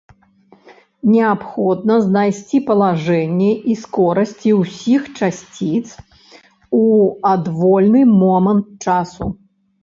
Неабходна знайсці палажэнні і скорасці ўсіх часціц у адвольны момант часу.